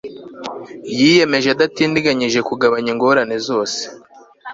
yiyemeje adatindiganyije kugabanya ingorane zose